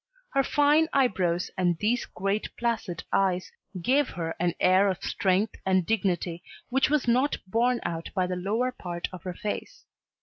Her fine eyebrows and these great placid eyes gave her an air of strength and dignity which was not borne out by the lower part of her face.